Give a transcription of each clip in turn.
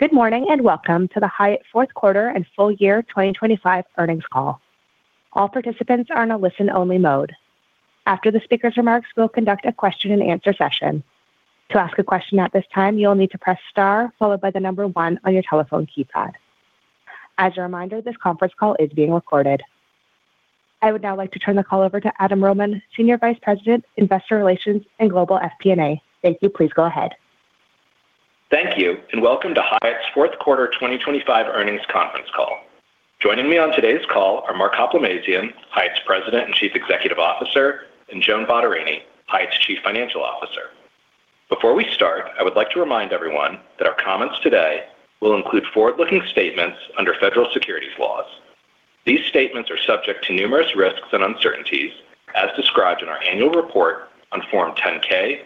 Good morning, and welcome to the Hyatt fourth quarter and full year 2025 earnings call. All participants are in a listen-only mode. After the speaker's remarks, we'll conduct a question-and-answer session. To ask a question at this time, you'll need to press star followed by the number one on your telephone keypad. As a reminder, this conference call is being recorded. I would now like to turn the call over to Adam Rohman, Senior Vice President, Investor Relations and Global FP&A. Thank you. Please go ahead. Thank you, and welcome to Hyatt's fourth quarter 2025 earnings conference call. Joining me on today's call are Mark Hoplamazian, Hyatt's President and Chief Executive Officer, and Joan Bottarini, Hyatt's Chief Financial Officer. Before we start, I would like to remind everyone that our comments today will include forward-looking statements under federal securities laws. These statements are subject to numerous risks and uncertainties as described in our annual report on Form 10-K,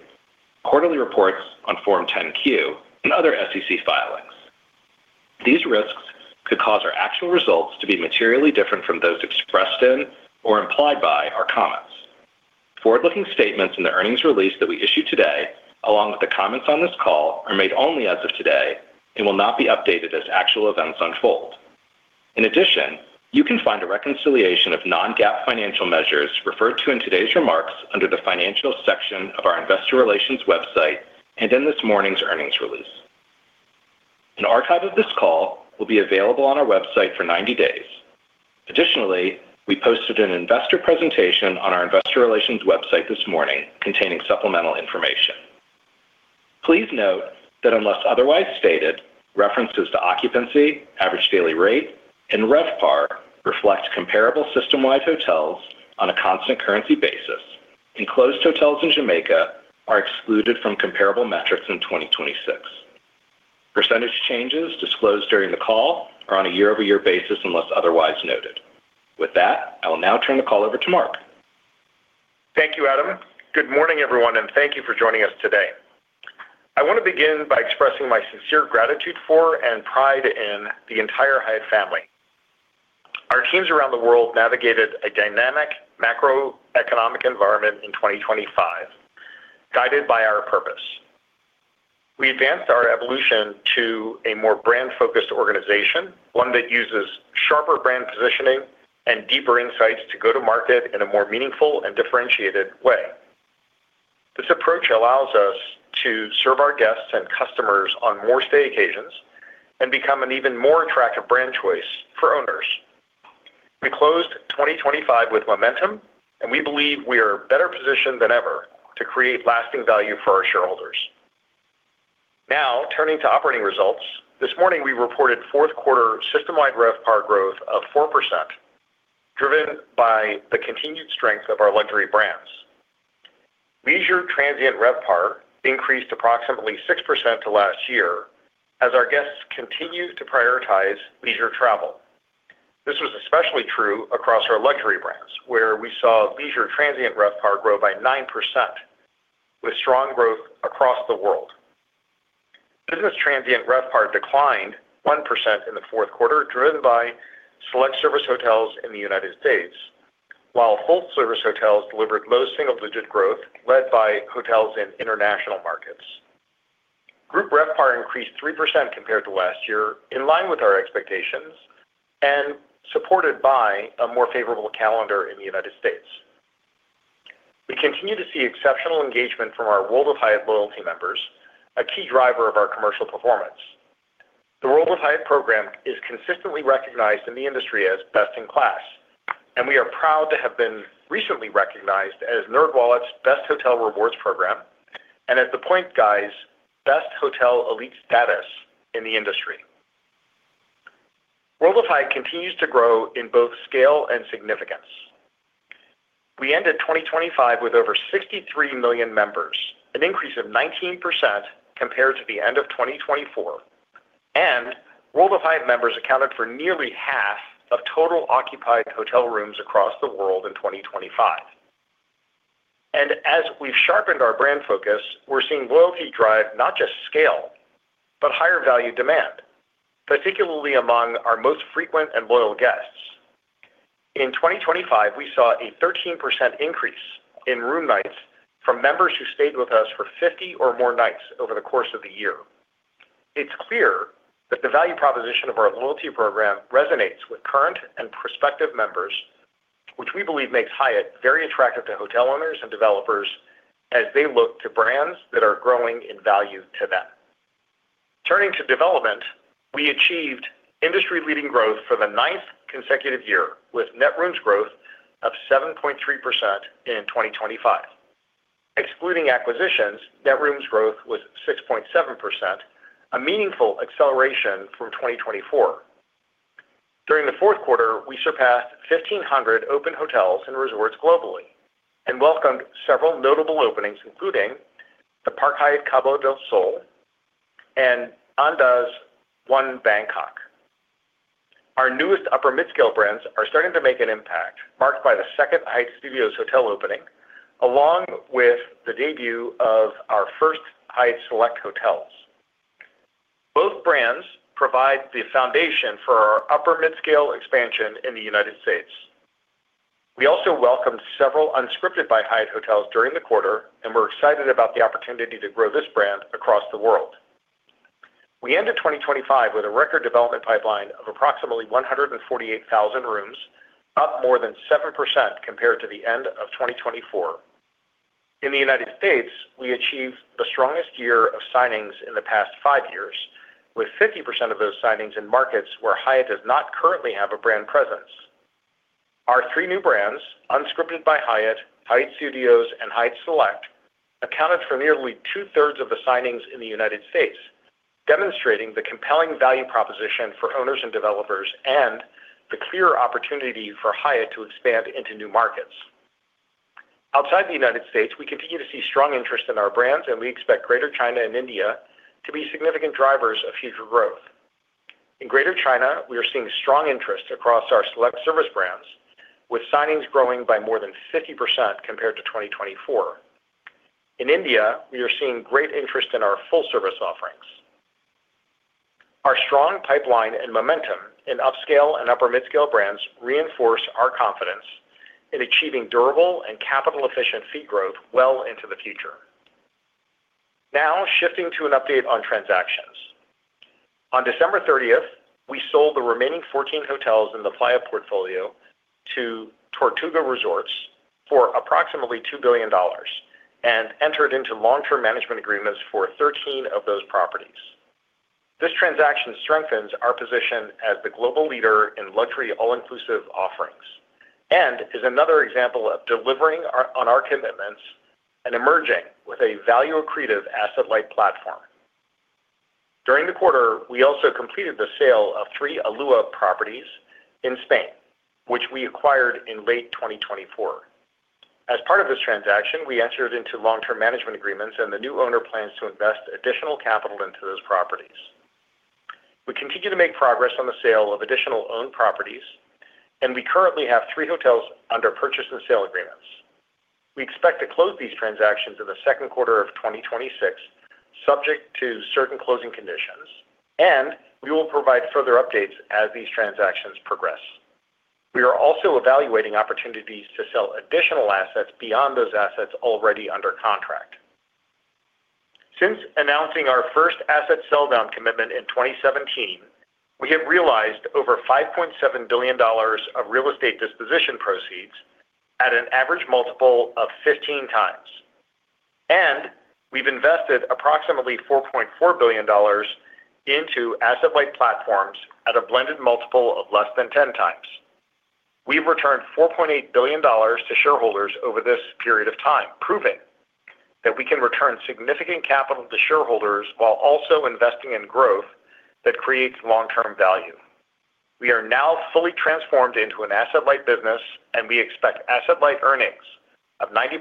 quarterly reports on Form 10-Q, and other SEC filings. These risks could cause our actual results to be materially different from those expressed in or implied by our comments. Forward-looking statements in the earnings release that we issued today, along with the comments on this call, are made only as of today and will not be updated as actual events unfold. In addition, you can find a reconciliation of non-GAAP financial measures referred to in today's remarks under the Financial section of our Investor Relations website and in this morning's earnings release. An archive of this call will be available on our website for 90 days. Additionally, we posted an investor presentation on our Investor Relations website this morning containing supplemental information. Please note that unless otherwise stated, references to occupancy, average daily rate, and RevPAR reflect comparable system-wide hotels on a constant currency basis, and closed hotels in Jamaica are excluded from comparable metrics in 2026. Percentage changes disclosed during the call are on a year-over-year basis, unless otherwise noted. With that, I will now turn the call over to Mark. Thank you, Adam. Good morning, everyone, and thank you for joining us today. I want to begin by expressing my sincere gratitude for and pride in the entire Hyatt family. Our teams around the world navigated a dynamic macroeconomic environment in 2025, guided by our purpose. We advanced our evolution to a more brand-focused organization, one that uses sharper brand positioning and deeper insights to go to market in a more meaningful and differentiated way. This approach allows us to serve our guests and customers on more stay occasions and become an even more attractive brand choice for owners. We closed 2025 with momentum, and we believe we are better positioned than ever to create lasting value for our shareholders. Now, turning to operating results. This morning, we reported fourth quarter system-wide RevPAR growth of 4%, driven by the continued strength of our luxury brands. Leisure transient RevPAR increased approximately 6% to last year as our guests continued to prioritize leisure travel. This was especially true across our luxury brands, where we saw leisure transient RevPAR grow by 9%, with strong growth across the world. Business transient RevPAR declined 1% in the fourth quarter, driven by select service hotels in the United States, while full-service hotels delivered low single-digit growth, led by hotels in international markets. Group RevPAR increased 3% compared to last year, in line with our expectations and supported by a more favorable calendar in the United States. We continue to see exceptional engagement from our World of Hyatt loyalty members, a key driver of our commercial performance. The World of Hyatt program is consistently recognized in the industry as best-in-class, and we are proud to have been recently recognized as NerdWallet's Best Hotel Rewards program and at The Points Guy's Best Hotel Elite Status in the industry. World of Hyatt continues to grow in both scale and significance. We ended 2025 with over 63 million members, an increase of 19% compared to the end of 2024, and World of Hyatt members accounted for nearly half of total occupied hotel rooms across the world in 2025. And as we've sharpened our brand focus, we're seeing loyalty drive not just scale, but higher value demand, particularly among our most frequent and loyal guests. In 2025, we saw a 13% increase in room nights from members who stayed with us for 50 or more nights over the course of the year. It's clear that the value proposition of our loyalty program resonates with current and prospective members, which we believe makes Hyatt very attractive to hotel owners and developers as they look to brands that are growing in value to them. Turning to development, we achieved industry-leading growth for the ninth consecutive year, with net rooms growth of 7.3% in 2025. Excluding acquisitions, net rooms growth was 6.7%, a meaningful acceleration from 2024. During the fourth quarter, we surpassed 1,500 open hotels and resorts globally and welcomed several notable openings, including the Park Hyatt Cabo del Sol and Andaz One Bangkok. Our newest upper midscale brands are starting to make an impact, marked by the second Hyatt Studios hotel opening, along with the debut of our first Hyatt Select hotels. Both brands provide the foundation for our upper-midscale expansion in the United States. We also welcomed several Unscripted by Hyatt hotels during the quarter, and we're excited about the opportunity to grow this brand across the world. We ended 2025 with a record development pipeline of approximately 148,000 rooms, up more than 7% compared to the end of 2024. In the United States, we achieved the strongest year of signings in the past 5 years, with 50% of those signings in markets where Hyatt does not currently have a brand presence. Our three new brands, Unscripted by Hyatt, Hyatt Studios, and Hyatt Select, accounted for nearly 2/3 of the signings in the United States, demonstrating the compelling value proposition for owners and developers and the clear opportunity for Hyatt to expand into new markets. Outside the United States, we continue to see strong interest in our brands, and we expect Greater China and India to be significant drivers of future growth. In Greater China, we are seeing strong interest across our Select Service brands, with signings growing by more than 50% compared to 2024. In India, we are seeing great interest in our full-service offerings. Our strong pipeline and momentum in upscale and upper-midscale brands reinforce our confidence in achieving durable and capital-efficient fee growth well into the future. Now, shifting to an update on transactions. On December 30th, we sold the remaining 14 hotels in the Playa portfolio to Tortuga Resorts for approximately $2 billion and entered into long-term management agreements for 13 of those properties. This transaction strengthens our position as the global leader in luxury all-inclusive offerings and is another example of delivering on our commitments and emerging with a value-accretive asset-light platform. During the quarter, we also completed the sale of three Alua properties in Spain, which we acquired in late 2024. As part of this transaction, we entered into long-term management agreements, and the new owner plans to invest additional capital into those properties. We continue to make progress on the sale of additional owned properties, and we currently have three hotels under purchase and sale agreements. We expect to close these transactions in the second quarter of 2026, subject to certain closing conditions, and we will provide further updates as these transactions progress. We are also evaluating opportunities to sell additional assets beyond those assets already under contract. Since announcing our first asset sell-down commitment in 2017, we have realized over $5.7 billion of real estate disposition proceeds at an average multiple of 15x, and we've invested approximately $4.4 billion into asset-light platforms at a blended multiple of less than 10x. We've returned $4.8 billion to shareholders over this period of time, proving that we can return significant capital to shareholders while also investing in growth that creates long-term value. We are now fully transformed into an asset-light business, and we expect asset-light earnings of 90%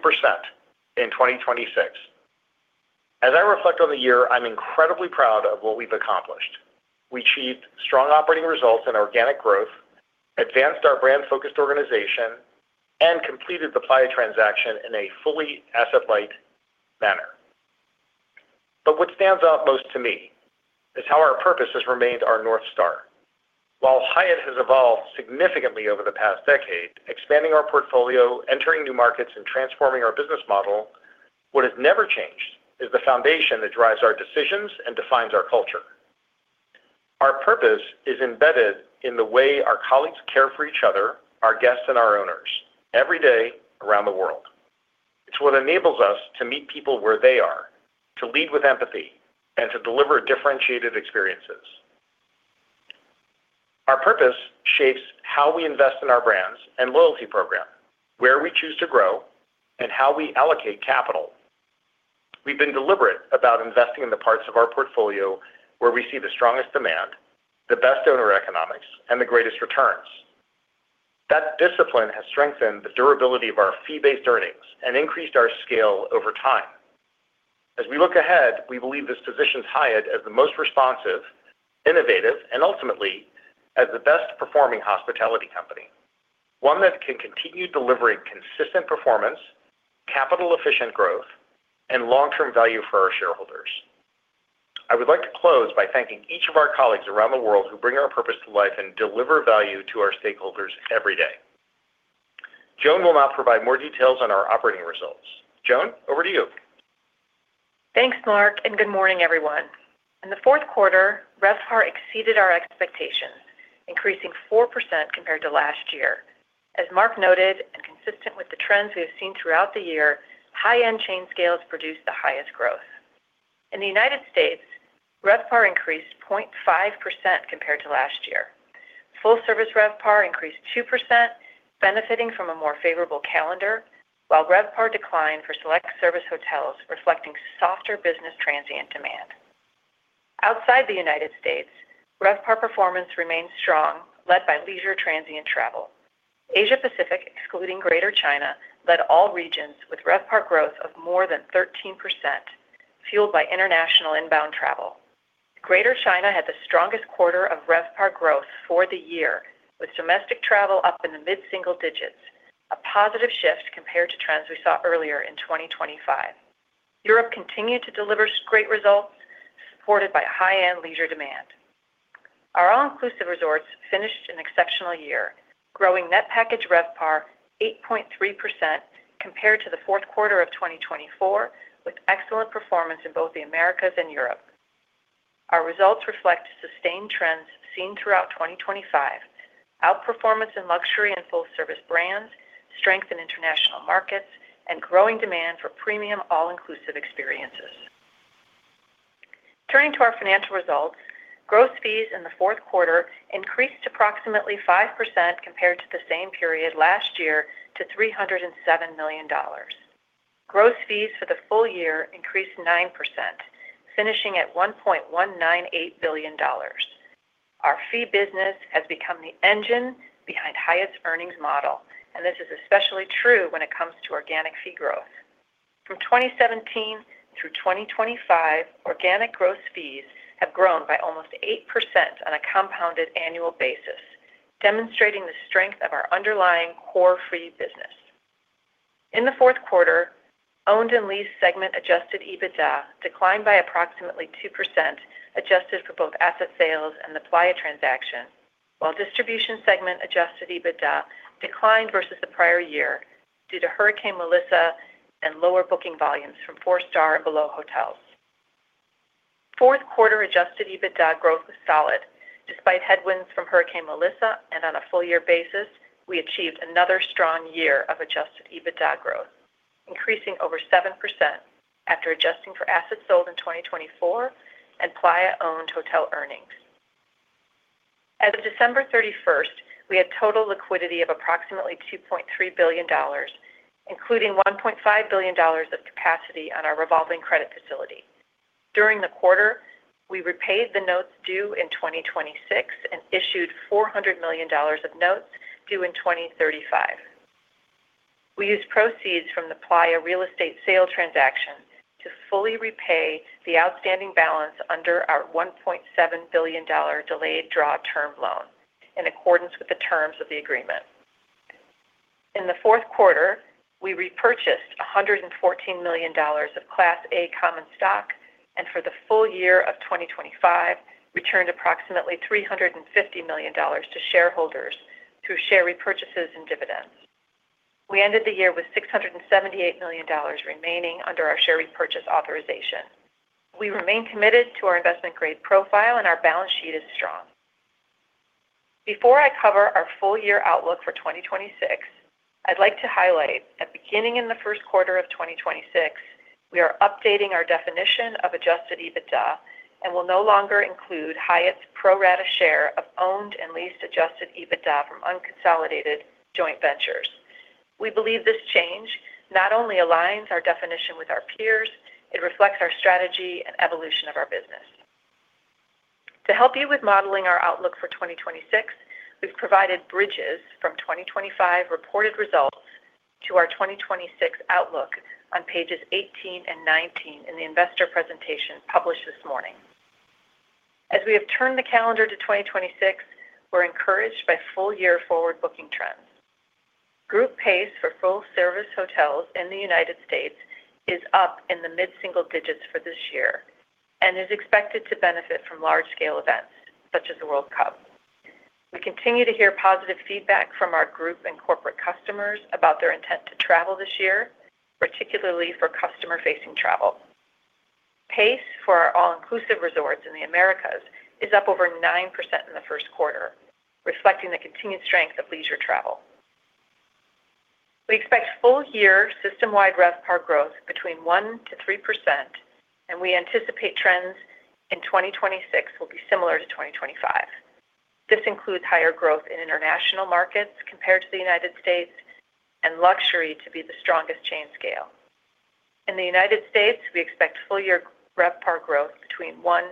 in 2026. As I reflect on the year, I'm incredibly proud of what we've accomplished. We achieved strong operating results and organic growth, advanced our brand-focused organization, and completed the Playa transaction in a fully asset-light manner. But what stands out most to me is how our purpose has remained our North Star. While Hyatt has evolved significantly over the past decade, expanding our portfolio, entering new markets, and transforming our business model, what has never changed is the foundation that drives our decisions and defines our culture. Our purpose is embedded in the way our colleagues care for each other, our guests, and our owners every day around the world. It's what enables us to meet people where they are, to lead with empathy, and to deliver differentiated experiences. Our purpose shapes how we invest in our brands and loyalty program, where we choose to grow, and how we allocate capital. We've been deliberate about investing in the parts of our portfolio where we see the strongest demand, the best owner economics, and the greatest returns. That discipline has strengthened the durability of our fee-based earnings and increased our scale over time. As we look ahead, we believe this positions Hyatt as the most responsive, innovative, and ultimately, as the best-performing hospitality company, one that can continue delivering consistent performance, capital-efficient growth, and long-term value for our shareholders. I would like to close by thanking each of our colleagues around the world who bring our purpose to life and deliver value to our stakeholders every day. Joan will now provide more details on our operating results. Joan, over to you. Thanks, Mark, and good morning, everyone. In the fourth quarter, RevPAR exceeded our expectations, increasing 4% compared to last year. As Mark noted, and consistent with the trends we have seen throughout the year, high-end chain scales produced the highest growth. In the United States, RevPAR increased 0.5% compared to last year. Full-service RevPAR increased 2%, benefiting from a more favorable calendar, while RevPAR declined for select service hotels, reflecting softer business transient demand. Outside the United States, RevPAR performance remains strong, led by leisure transient travel. Asia Pacific, excluding Greater China, led all regions with RevPAR growth of more than 13%, fueled by international inbound travel. Greater China had the strongest quarter of RevPAR growth for the year, with domestic travel up in the mid-single digits, a positive shift compared to trends we saw earlier in 2025. Europe continued to deliver great results, supported by high-end leisure demand... Our all-inclusive resorts finished an exceptional year, growing Net Package RevPAR 8.3% compared to the fourth quarter of 2024, with excellent performance in both the Americas and Europe. Our results reflect sustained trends seen throughout 2025: outperformance in luxury and full-service brands, strength in international markets, and growing demand for premium all-inclusive experiences. Turning to our financial results, gross fees in the fourth quarter increased approximately 5% compared to the same period last year to $307 million. Gross fees for the full year increased 9%, finishing at $1.198 billion. Our fee business has become the engine behind Hyatt's earnings model, and this is especially true when it comes to organic fee growth. From 2017 through 2025, organic gross fees have grown by almost 8% on a compounded annual basis, demonstrating the strength of our underlying core fee business. In the fourth quarter, owned and leased segment adjusted EBITDA declined by approximately 2%, adjusted for both asset sales and the Playa transaction, while distribution segment adjusted EBITDA declined versus the prior year due to Hurricane Melissa and lower booking volumes from four-star and below hotels. Fourth quarter adjusted EBITDA growth was solid despite headwinds from Hurricane Melissa, and on a full year basis, we achieved another strong year of adjusted EBITDA growth, increasing over 7% after adjusting for assets sold in 2024 and Playa-owned hotel earnings. As of December 31, we had total liquidity of approximately $2.3 billion, including $1.5 billion of capacity on our revolving credit facility. During the quarter, we repaid the notes due in 2026 and issued $400 million of notes due in 2035. We used proceeds from the Playa Real Estate sale transaction to fully repay the outstanding balance under our $1.7 billion delayed draw term loan, in accordance with the terms of the agreement. In the fourth quarter, we repurchased $114 million of Class A common stock, and for the full year of 2025, returned approximately $350 million to shareholders through share repurchases and dividends. We ended the year with $678 million remaining under our share repurchase authorization. We remain committed to our investment-grade profile and our balance sheet is strong. Before I cover our full-year outlook for 2026, I'd like to highlight that beginning in the first quarter of 2026, we are updating our definition of Adjusted EBITDA and will no longer include Hyatt's pro rata share of owned and leased Adjusted EBITDA from unconsolidated joint ventures. We believe this change not only aligns our definition with our peers, it reflects our strategy and evolution of our business. To help you with modeling our outlook for 2026, we've provided bridges from 2025 reported results to our 2026 outlook on pages 18 and 19 in the investor presentation published this morning. As we have turned the calendar to 2026, we're encouraged by full-year forward booking trends. Group pace for full-service hotels in the United States is up in the mid-single digits for this year and is expected to benefit from large-scale events such as the World Cup. We continue to hear positive feedback from our group and corporate customers about their intent to travel this year, particularly for customer-facing travel. Pace for our all-inclusive resorts in the Americas is up over 9% in the first quarter, reflecting the continued strength of leisure travel. We expect full-year system-wide RevPAR growth between 1%-3%, and we anticipate trends in 2026 will be similar to 2025. This includes higher growth in international markets compared to the United States, and luxury to be the strongest chain scale. In the United States, we expect full-year RevPAR growth between 1%-2%,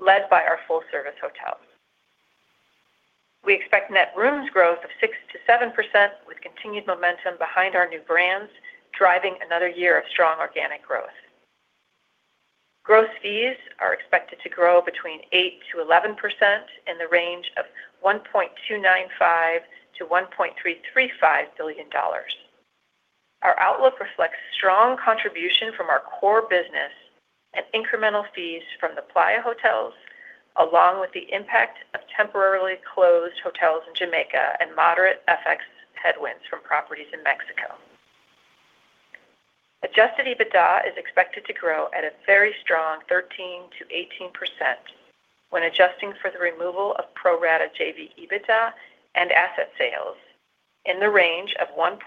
led by our full-service hotels. We expect net rooms growth of 6%-7%, with continued momentum behind our new brands, driving another year of strong organic growth. Gross fees are expected to grow between 8%-11% in the range of $1.295 billion-$1.335 billion. Our outlook reflects strong contribution from our core business and incremental fees from the Playa Hotels, along with the impact of temporarily closed hotels in Jamaica and moderate FX headwinds from properties in Mexico. Adjusted EBITDA is expected to grow at a very strong 13%-18% when adjusting for the removal of pro rata JV, EBITDA, and asset sales in the range of $1.155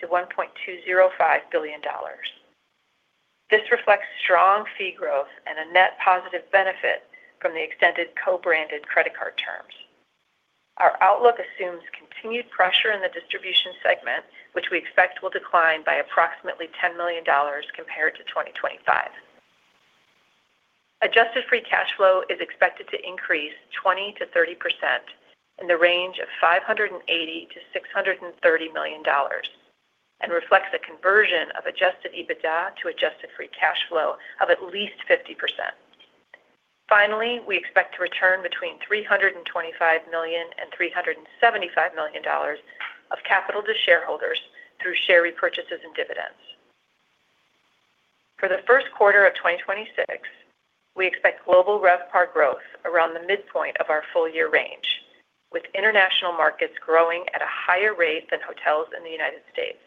billion-$1.205 billion. This reflects strong fee growth and a net positive benefit from the extended co-branded credit card terms. Our outlook assumes continued pressure in the distribution segment, which we expect will decline by approximately $10 million compared to 2025. Adjusted Free Cash Flow is expected to increase 20%-30% in the range of $580 million-$630 million and reflects a conversion of Adjusted EBITDA to Adjusted Free Cash Flow of at least 50%. Finally, we expect to return between $325 million and $375 million of capital to shareholders through share repurchases and dividends. ...For the first quarter of 2026, we expect global RevPAR growth around the midpoint of our full-year range, with international markets growing at a higher rate than hotels in the United States.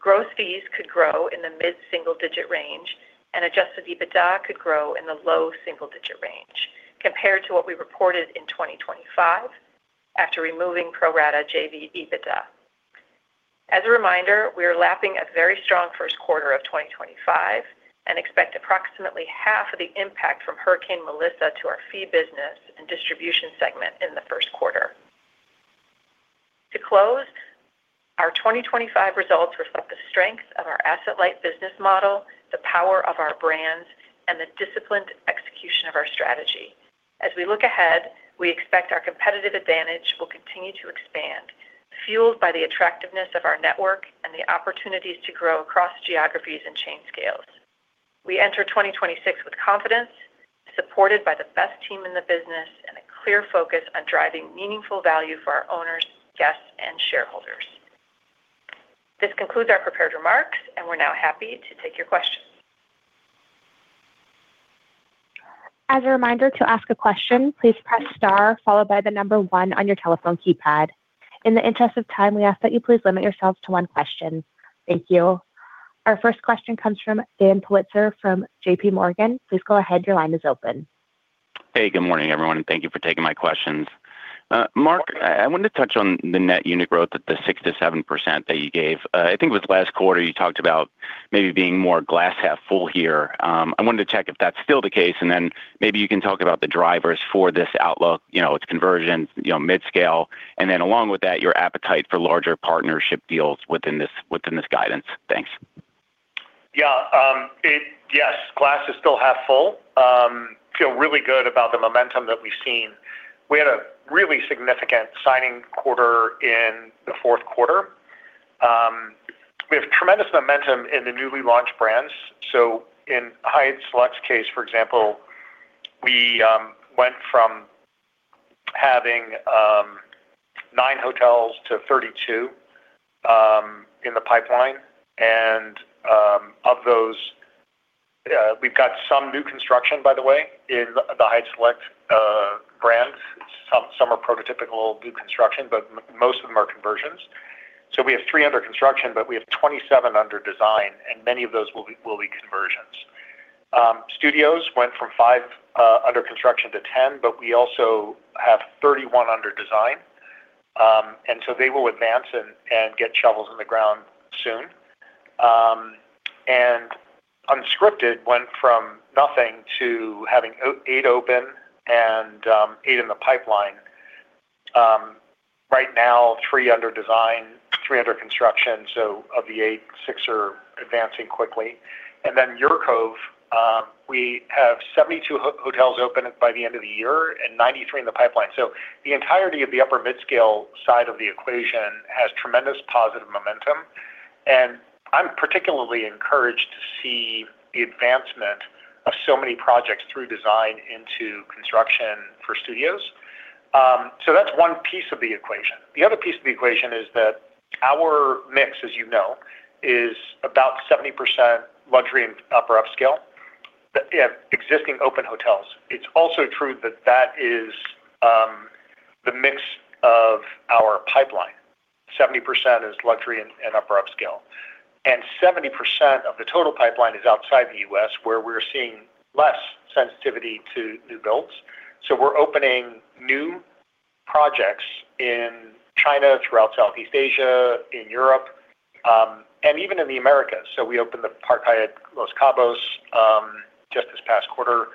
Gross fees could grow in the mid-single-digit range, and Adjusted EBITDA could grow in the low single-digit range compared to what we reported in 2025 after removing pro rata JV EBITDA. As a reminder, we are lapping a very strong first quarter of 2025 and expect approximately half of the impact from Hurricane Melissa to our fee business and distribution segment in the first quarter. To close, our 2025 results reflect the strength of our asset-light business model, the power of our brands, and the disciplined execution of our strategy. As we look ahead, we expect our competitive advantage will continue to expand, fueled by the attractiveness of our network and the opportunities to grow across geographies and chain scales. We enter 2026 with confidence, supported by the best team in the business and a clear focus on driving meaningful value for our owners, guests, and shareholders. This concludes our prepared remarks, and we're now happy to take your questions. As a reminder, to ask a question, please press star followed by the number one on your telephone keypad. In the interest of time, we ask that you please limit yourselves to one question. Thank you. Our first question comes from Dan Politzer from JP Morgan. Please go ahead. Your line is open. Hey, good morning, everyone, and thank you for taking my questions. Mark, I wanted to touch on the net unit growth at the 6%-7% that you gave. I think it was last quarter, you talked about maybe being more glass half full here. I wanted to check if that's still the case, and then maybe you can talk about the drivers for this outlook, you know, its conversion, you know, midscale, and then along with that, your appetite for larger partnership deals within this, within this guidance. Thanks. Yeah, yes, glass is still half full. Feel really good about the momentum that we've seen. We had a really significant signing quarter in the fourth quarter. We have tremendous momentum in the newly launched brands. So in Hyatt Select's case, for example, we went from having 9 hotels to 32 in the pipeline. And of those, we've got some new construction, by the way, in the Hyatt Select brands. Some are prototypical new construction, but most of them are conversions. So we have 3 under construction, but we have 27 under design, and many of those will be conversions. Studios went from 5 under construction to 10, but we also have 31 under design, and so they will advance and get shovels in the ground soon. Unscripted went from nothing to having 8 open and 8 in the pipeline. Right now, 3 under design, 3 under construction. So of the 8, 6 are advancing quickly. And then UrCove, we have 72 hotels open by the end of the year and 93 in the pipeline. So the entirety of the upper-midscale side of the equation has tremendous positive momentum, and I'm particularly encouraged to see the advancement of so many projects through design into construction for studios. So that's one piece of the equation. The other piece of the equation is that our mix, as you know, is about 70% luxury and upper upscale, the existing open hotels. It's also true that that is the mix of our pipeline. 70% is luxury and upper upscale, and 70% of the total pipeline is outside the U.S., where we're seeing less sensitivity to new builds. So we're opening new projects in China, throughout Southeast Asia, in Europe, and even in the Americas. So we opened the Park Hyatt Los Cabos just this past quarter.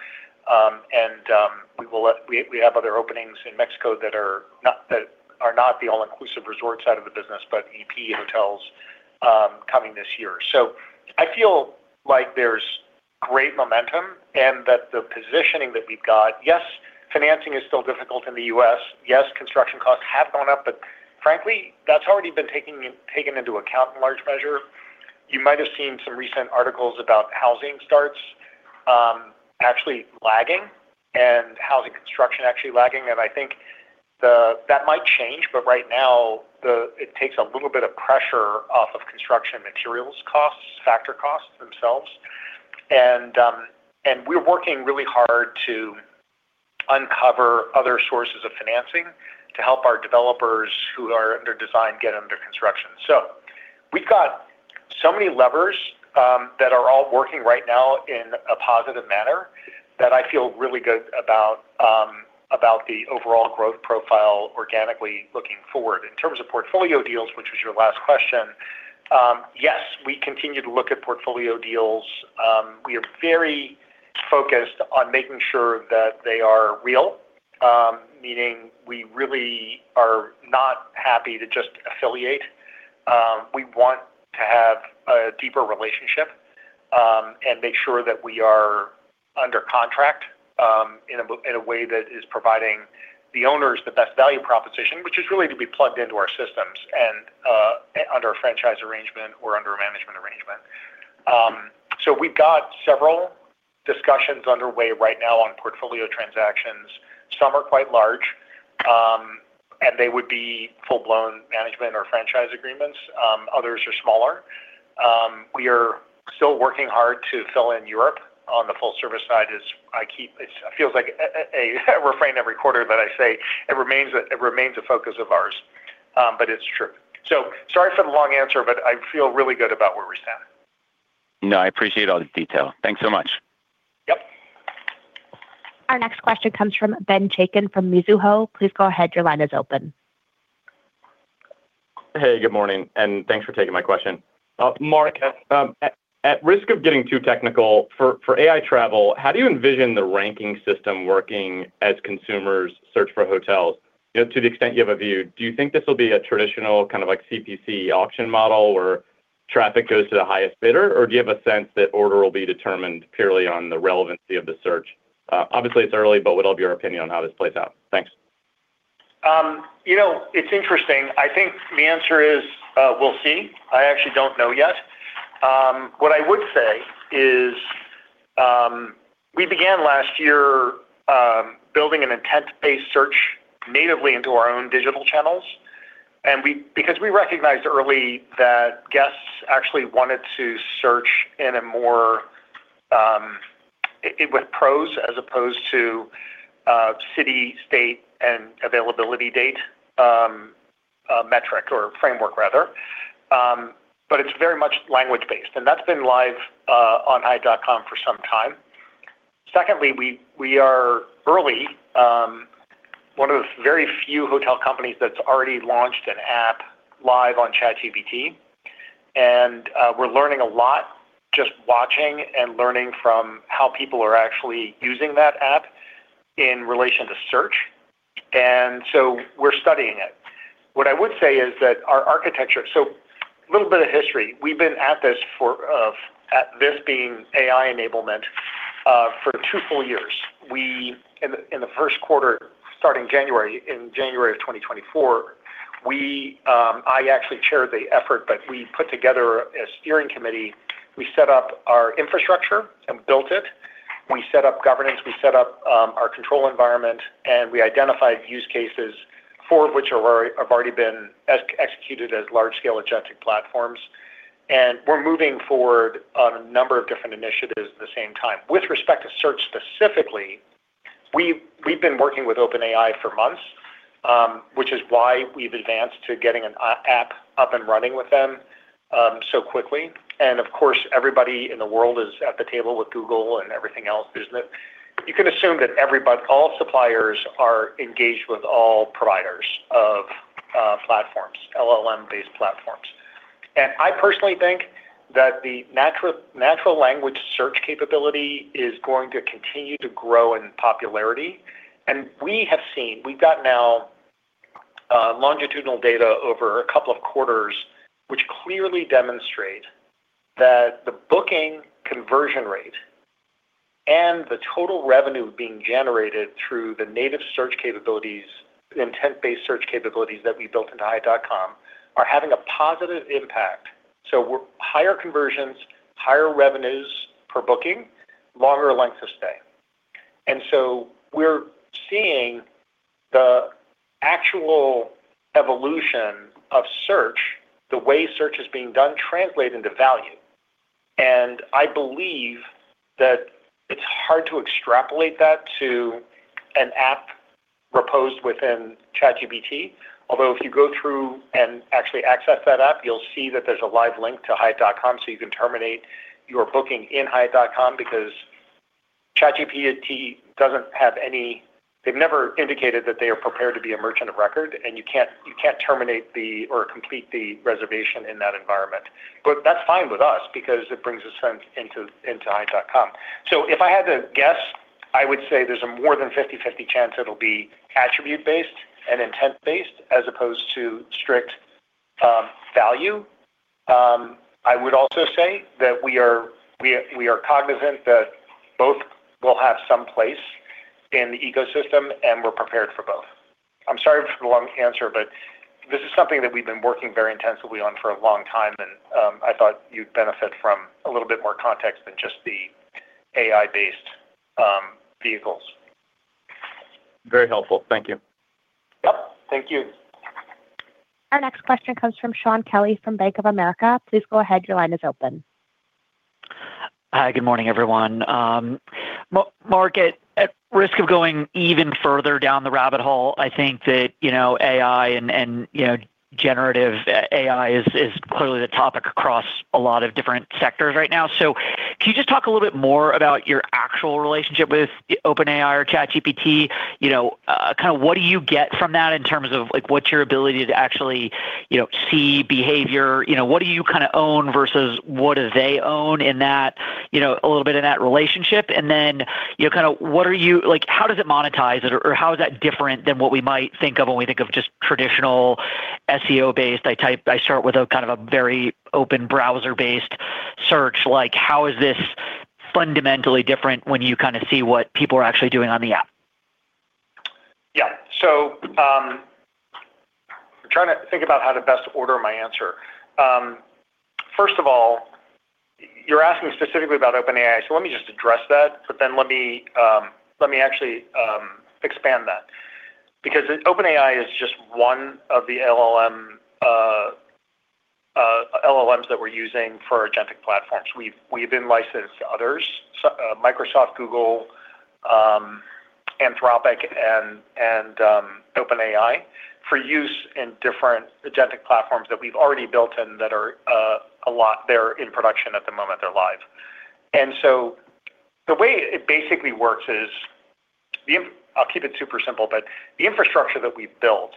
And we have other openings in Mexico that are not the all-inclusive resort side of the business, but EP hotels coming this year. So I feel like there's great momentum and that the positioning that we've got... Yes, financing is still difficult in the U.S. Yes, construction costs have gone up, but frankly, that's already been taken into account in large measure. You might have seen some recent articles about housing starts actually lagging and housing construction actually lagging, and I think that might change, but right now, it takes a little bit of pressure off of construction materials costs, factor costs themselves. And we're working really hard to uncover other sources of financing to help our developers who are under design get under construction. So we've got so many levers that are all working right now in a positive manner, that I feel really good about the overall growth profile organically looking forward. In terms of portfolio deals, which was your last question, yes, we continue to look at portfolio deals. We are very focused on making sure that they are real, meaning we really are not happy to just affiliate. We want to have a deeper relationship, and make sure that we are under contract, in a way that is providing the owners the best value proposition, which is really to be plugged into our systems and under a franchise arrangement or under a management arrangement. So we've got several discussions underway right now on portfolio transactions. Some are quite large, and they would be full-blown management or franchise agreements. Others are smaller. We are still working hard to fill in Europe on the full service side, as I keep, it feels like a refrain every quarter that I say it remains, it remains a focus of ours, but it's true. Sorry for the long answer, but I feel really good about where we're standing. No, I appreciate all the detail. Thanks so much. Yep. Our next question comes from Ben Chaiken from Mizuho. Please go ahead. Your line is open. Hey, good morning, and thanks for taking my question. Mark, at risk of getting too technical, for AI travel, how do you envision the ranking system working as consumers search for hotels? You know, to the extent you have a view, do you think this will be a traditional, kind of like CPC auction model, where traffic goes to the highest bidder? Or do you have a sense that order will be determined purely on the relevancy of the search? Obviously, it's early, but what will be your opinion on how this plays out? Thanks. You know, it's interesting. I think the answer is, we'll see. I actually don't know yet. What I would say is, we began last year, building an intent-based search natively into our own digital channels, and because we recognized early that guests actually wanted to search in a more, it with prose as opposed to, city, state, and availability date, metric or framework rather. But it's very much language-based, and that's been live, on Hyatt.com for some time. Secondly, we are early, one of the very few hotel companies that's already launched an app live on ChatGPT, and, we're learning a lot just watching and learning from how people are actually using that app in relation to search, and so we're studying it. What I would say is that our architecture. So a little bit of history. We've been at this for at this being AI enablement for 2 full years. We, in the first quarter, starting January, in January of 2024, we, I actually chaired the effort, but we put together a steering committee. We set up our infrastructure and built it. We set up governance, we set up our control environment, and we identified use cases, 4 of which have already been executed as large-scale agnostic platforms. And we're moving forward on a number of different initiatives at the same time. With respect to search specifically, we've been working with OpenAI for months, which is why we've advanced to getting an app up and running with them so quickly. Of course, everybody in the world is at the table with Google and everything else, isn't it? You can assume that everybody, all suppliers are engaged with all providers of platforms, LLM-based platforms. I personally think that the natural, natural language search capability is going to continue to grow in popularity, and we have seen, we've got now longitudinal data over a couple of quarters, which clearly demonstrate that the booking conversion rate and the total revenue being generated through the native search capabilities, intent-based search capabilities that we built into Hyatt.com, are having a positive impact. So we're higher conversions, higher revenues per booking, longer lengths of stay. So we're seeing the actual evolution of search, the way search is being done, translate into value. I believe that it's hard to extrapolate that to an app reposed within ChatGPT. Although if you go through and actually access that app, you'll see that there's a live link to Hyatt.com, so you can terminate your booking in Hyatt.com because ChatGPT doesn't have any. They've never indicated that they are prepared to be a merchant of record, and you can't terminate or complete the reservation in that environment. But that's fine with us because it brings us into Hyatt.com. So if I had to guess, I would say there's a more than 50/50 chance it'll be attribute-based and intent-based as opposed to strict value. I would also say that we are cognizant that both will have some place in the ecosystem, and we're prepared for both. I'm sorry for the long answer, but this is something that we've been working very intensively on for a long time, and I thought you'd benefit from a little bit more context than just the AI-based vehicles. Very helpful. Thank you. Yep, thank you. Our next question comes from Shaun Kelley from Bank of America. Please go ahead. Your line is open. Hi, good morning, everyone. Mark, at risk of going even further down the rabbit hole, I think that, you know, AI and, you know, generative AI is clearly the topic across a lot of different sectors right now. So can you just talk a little bit more about your actual relationship with OpenAI or ChatGPT? You know, kind of what do you get from that in terms of, like, what's your ability to actually, you know, see behavior? You know, what do you kind of own versus what do they own in that, you know, a little bit in that relationship? And then, you know, kind of what are you-- Like, how does it monetize it, or how is that different than what we might think of when we think of just traditional SEO-based? I type, I start with a kind of a very open browser-based search. Like, how is this fundamentally different when you kind of see what people are actually doing on the app?... Yeah. So, I'm trying to think about how to best order my answer. First of all, you're asking specifically about OpenAI, so let me just address that, but then let me actually expand that. Because OpenAI is just one of the LLM, LLMs that we're using for our agentic platforms. We've been licensed to others, so Microsoft, Google, Anthropic, and OpenAI for use in different agentic platforms that we've already built and that are a lot-- they're in production at the moment, they're live. And so the way it basically works is the in-- I'll keep it super simple, but the infrastructure that we built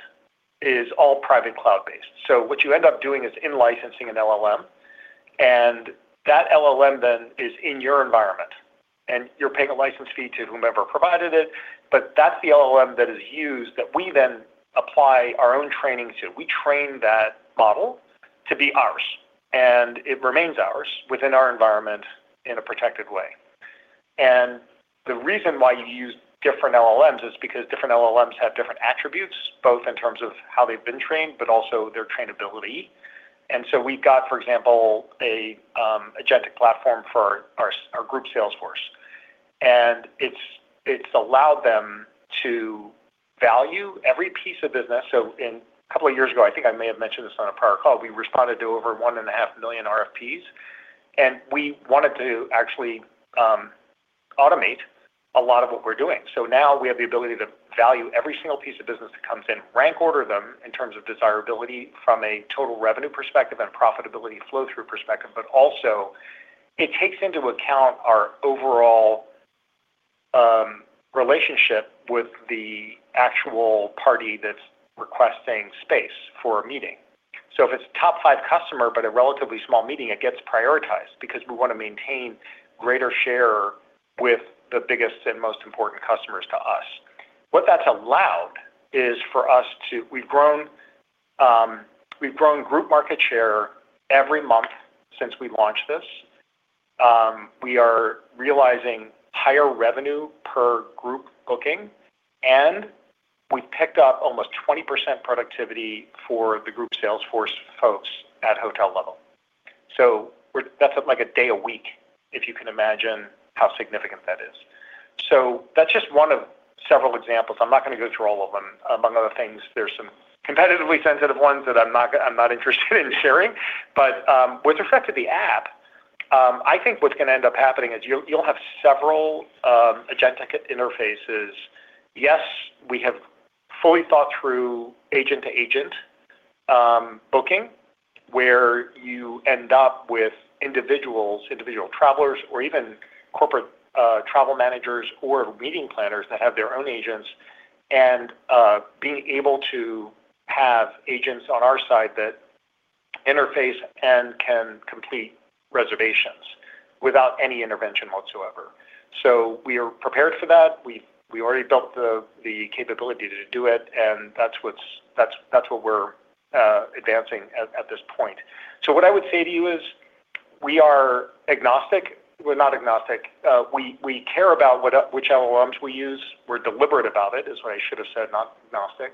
is all private cloud-based. So what you end up doing is in-licensing an LLM, and that LLM then is in your environment, and you're paying a license fee to whomever provided it, but that's the LLM that is used, that we then apply our own training to. We train that model to be ours, and it remains ours within our environment in a protected way. And the reason why you use different LLMs is because different LLMs have different attributes, both in terms of how they've been trained, but also their trainability. And so we've got, for example, an agentic platform for our group Salesforce, and it's allowed them to value every piece of business. So a couple of years ago, I think I may have mentioned this on a prior call, we responded to over 1.5 million RFPs, and we wanted to actually automate a lot of what we're doing. So now we have the ability to value every single piece of business that comes in, rank order them in terms of desirability from a total revenue perspective and profitability flow-through perspective, but also it takes into account our overall relationship with the actual party that's requesting space for a meeting. So if it's top five customer, but a relatively small meeting, it gets prioritized because we want to maintain greater share with the biggest and most important customers to us. What that's allowed is for us to. We've grown we've grown group market share every month since we launched this. We are realizing higher revenue per group booking, and we've picked up almost 20% productivity for the group Salesforce folks at hotel level. So we're—that's like a day a week, if you can imagine how significant that is. So that's just one of several examples. I'm not going to go through all of them. Among other things, there's some competitively sensitive ones that I'm not interested in sharing. But with respect to the app, I think what's going to end up happening is you, you'll have several agentic interfaces. Yes, we have fully thought through agent-to-agent booking, where you end up with individuals, individual travelers or even corporate travel managers or meeting planners that have their own agents, and being able to have agents on our side that interface and can complete reservations without any intervention whatsoever. So we are prepared for that. We already built the capability to do it, and that's what we're advancing at this point. So what I would say to you is we are agnostic. We're not agnostic. We care about which LLMs we use. We're deliberate about it, is what I should have said, not agnostic,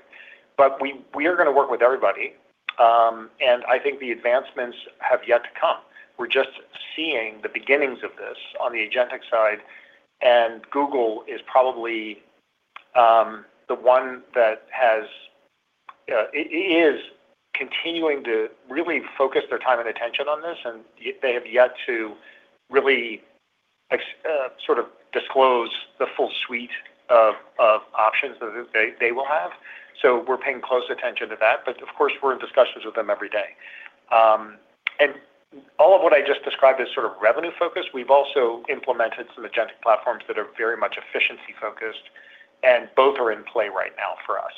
but we are going to work with everybody. And I think the advancements have yet to come. We're just seeing the beginnings of this on the agentic side, and Google is probably the one that has it is continuing to really focus their time and attention on this, and they have yet to really sort of disclose the full suite of options that they will have. So we're paying close attention to that. But of course, we're in discussions with them every day. And all of what I just described is sort of revenue-focused. We've also implemented some agentic platforms that are very much efficiency-focused, and both are in play right now for us.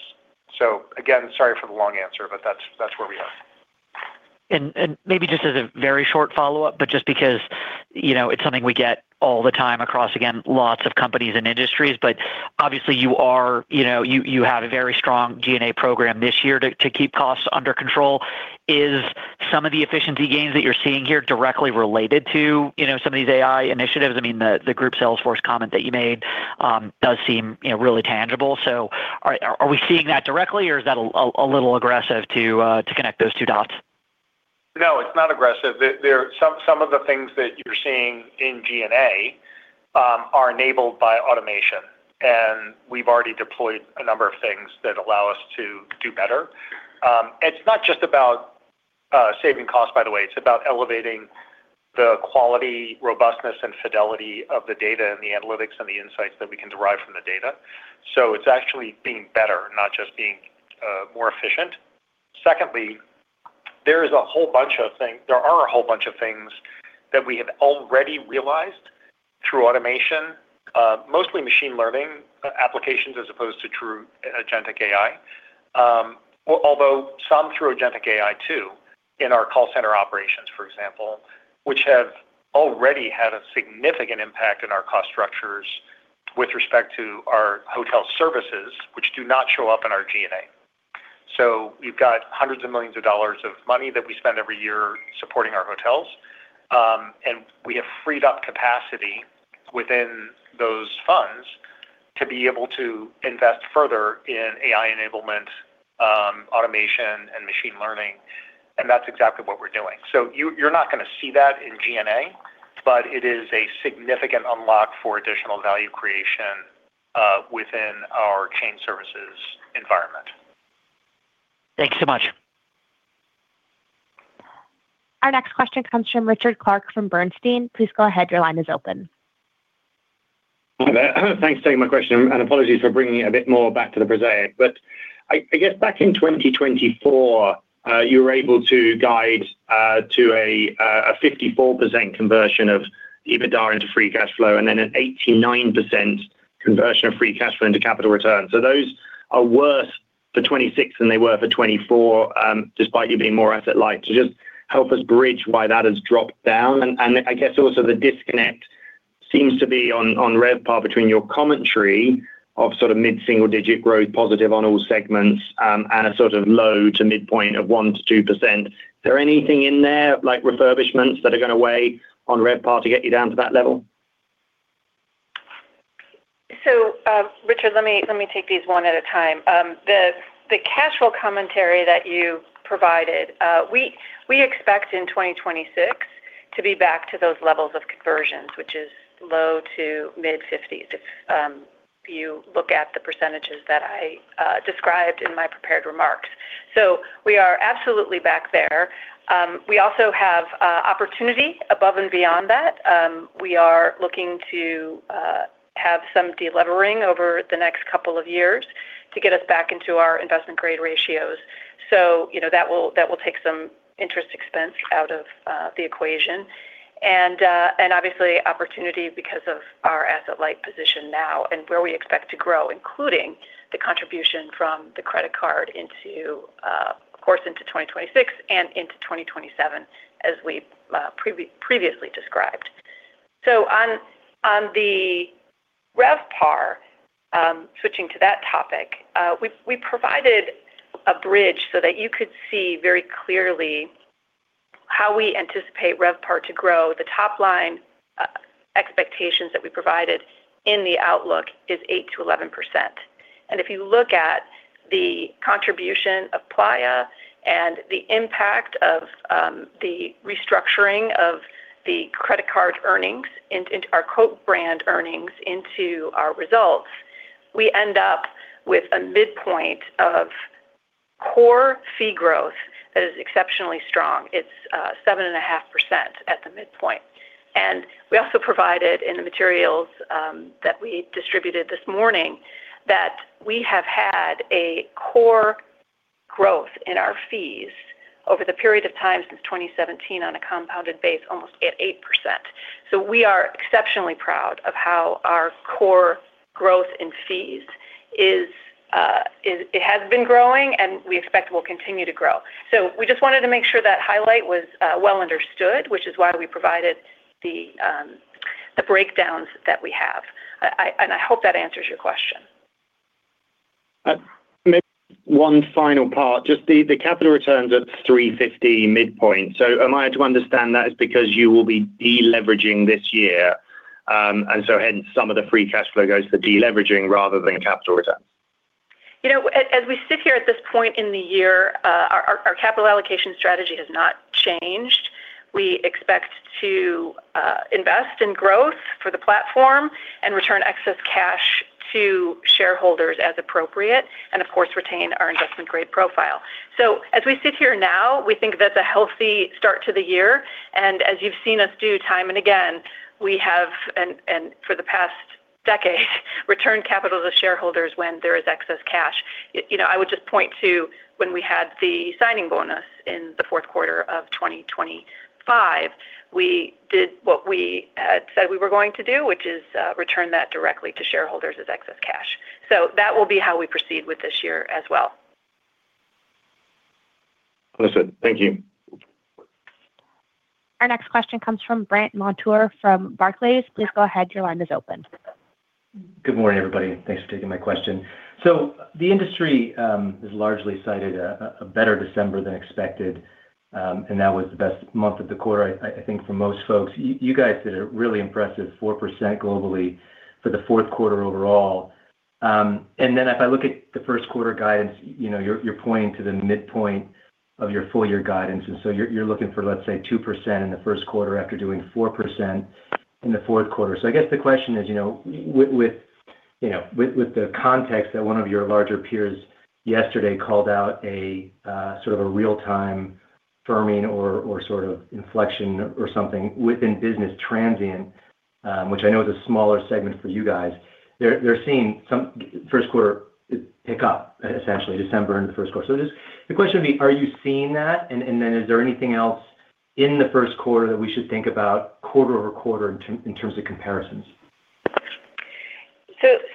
So again, sorry for the long answer, but that's, that's where we are. Maybe just as a very short follow-up, but just because, you know, it's something we get all the time across, again, lots of companies and industries, but obviously you are, you know, you have a very strong G&A program this year to keep costs under control. Is some of the efficiency gains that you're seeing here directly related to, you know, some of these AI initiatives? I mean, the group Salesforce comment that you made does seem, you know, really tangible. So are we seeing that directly or is that a little aggressive to connect those two dots? No, it's not aggressive. There are some of the things that you're seeing in G&A are enabled by automation, and we've already deployed a number of things that allow us to do better. It's not just about saving costs, by the way, it's about elevating the quality, robustness, and fidelity of the data and the analytics and the insights that we can derive from the data. So it's actually being better, not just being more efficient. Secondly, there are a whole bunch of things that we have already realized through automation, mostly machine learning applications as opposed to true Agentic AI, although some through Agentic AI, too, in our call center operations, for example, which have already had a significant impact in our cost structures with respect to our hotel services, which do not show up in our G&A.... So we've got hundreds of millions of dollars of money that we spend every year supporting our hotels, and we have freed up capacity within those funds to be able to invest further in AI enablement, automation, and machine learning, and that's exactly what we're doing. So you're not gonna see that in G&A, but it is a significant unlock for additional value creation within our chain services environment. Thanks so much. Our next question comes from Richard Clarke from Bernstein. Please go ahead. Your line is open. Hi there. Thanks for taking my question, and apologies for bringing it a bit more back to the prosaic. But I guess back in 2024, you were able to guide to a 54% conversion of EBITDA into free cash flow, and then an 89% conversion of free cash flow into capital returns. So those are worse for 2026 than they were for 2024, despite you being more asset-light. So just help us bridge why that has dropped down. And I guess also the disconnect seems to be on RevPAR between your commentary of sort of mid-single-digit growth, positive on all segments, and a sort of low to mid-point of 1%-2%. Is there anything in there, like refurbishments that are gonna weigh on RevPAR to get you down to that level? So, Richard, let me take these one at a time. The cash flow commentary that you provided, we expect in 2026 to be back to those levels of conversions, which is low- to mid-50s, if you look at the percentages that I described in my prepared remarks. So we are absolutely back there. We also have opportunity above and beyond that. We are looking to have some delevering over the next couple of years to get us back into our investment-grade ratios. You know, that will take some interest expense out of the equation. And obviously, opportunity because of our asset-light position now and where we expect to grow, including the contribution from the credit card into, of course, into 2026 and into 2027, as we previously described. So on the RevPAR, switching to that topic, we provided a bridge so that you could see very clearly how we anticipate RevPAR to grow. The top line expectations that we provided in the outlook is 8%-11%. And if you look at the contribution of Playa and the impact of the restructuring of the credit card earnings into our core brand earnings into our results, we end up with a midpoint of core fee growth that is exceptionally strong. It's 7.5% at the midpoint. And we also provided in the materials that we distributed this morning, that we have had a core growth in our fees over the period of time since 2017 on a compounded basis, almost at 8%. So we are exceptionally proud of how our core growth in fees is, it has been growing and we expect will continue to grow. So we just wanted to make sure that highlight was well understood, which is why we provided the breakdowns that we have. And I hope that answers your question. Maybe one final part, just the capital returns at $350 midpoint. So am I to understand that is because you will be deleveraging this year, and so hence, some of the free cash flow goes to deleveraging rather than capital return? You know, as we sit here at this point in the year, our capital allocation strategy has not changed. We expect to invest in growth for the platform and return excess cash to shareholders as appropriate, and of course, retain our investment-grade profile. So as we sit here now, we think that's a healthy start to the year, and as you've seen us do time and again, we have, and for the past decade, returned capital to shareholders when there is excess cash. You know, I would just point to when we had the signing bonus in the fourth quarter of 2025, we did what we said we were going to do, which is return that directly to shareholders as excess cash. So that will be how we proceed with this year as well. Listen, thank you. Our next question comes from Brandt Montour from Barclays. Please go ahead, your line is open. Good morning, everybody. Thanks for taking my question. So the industry has largely cited a better December than expected, and that was the best month of the quarter, I think for most folks. You guys did a really impressive 4% globally for the fourth quarter overall. And then if I look at the first quarter guidance, you know, you're pointing to the midpoint of your full year guidance, and so you're looking for, let's say, 2% in the first quarter after doing 4% in the fourth quarter. So I guess the question is, you know, with, you know, with, with the context that one of your larger peers yesterday called out a sort of a real-time firming or, or sort of inflection or something within business transient, which I know is a smaller segment for you guys. They're seeing some first quarter pick up, essentially, December in the first quarter. So the question would be, are you seeing that? And, and then is there anything else in the first quarter that we should think about quarter-over-quarter in terms of comparisons?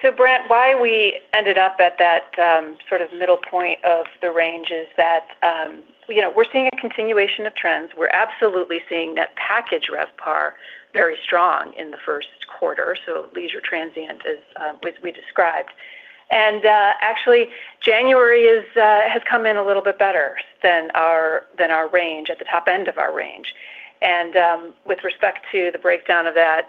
So, Brandt, why we ended up at that sort of middle point of the range is that, you know, we're seeing a continuation of trends. We're absolutely seeing that package RevPAR very strong in the first quarter, so leisure transient, as we described. And actually, January has come in a little bit better than our range, at the top end of our range. And with respect to the breakdown of that,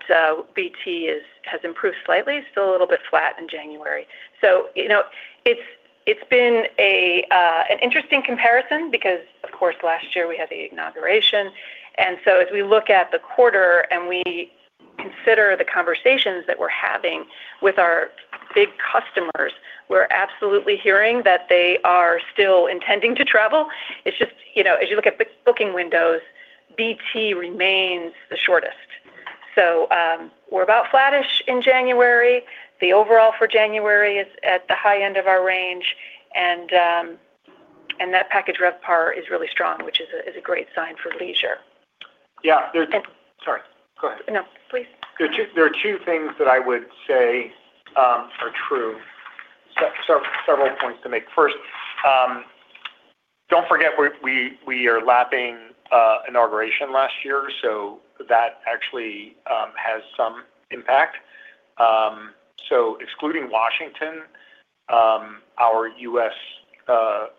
BT has improved slightly, still a little bit flat in January. So you know, it's been an interesting comparison because, of course, last year we had the inauguration. And so as we look at the quarter and we consider the conversations that we're having with our big customers, we're absolutely hearing that they are still intending to travel. It's just, you know, as you look at the booking windows, BT remains the shortest. So, we're about flattish in January. The overall for January is at the high end of our range, and that package RevPAR is really strong, which is a great sign for leisure. Yeah. There- And- Sorry, go ahead. No, please. There are two things that I would say are true. Several points to make. First, don't forget we're lapping inauguration last year, so that actually has some impact. So excluding Washington, our U.S.